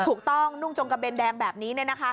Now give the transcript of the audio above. ถูกต้องนุ่งจงกระเบนแดงแบบนี้เลยนะคะ